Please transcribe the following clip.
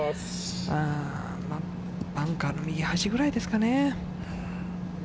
バンカーの右端ぐらいですかね。